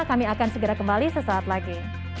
kami akan segera kembali sesaat lagi